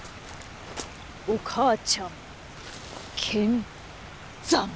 お母ちゃん見参」。